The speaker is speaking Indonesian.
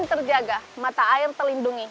terjaga mata air terlindungi